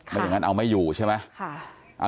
ไม่อย่างนั้นเอาไม่อยู่ใช่ไหม